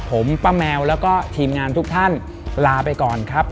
ผมป้าแมวแล้วก็ทีมงานทุกท่านลาไปก่อนครับ